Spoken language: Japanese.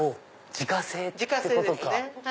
自家製ってことか！